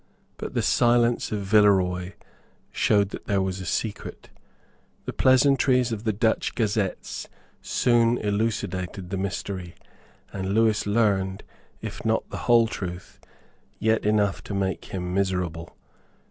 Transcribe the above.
But the silence of Villeroy showed that there was a secret; the pleasantries of the Dutch gazettes soon elucidated the mystery; and Lewis learned, if not the whole truth, yet enough to make him miserable.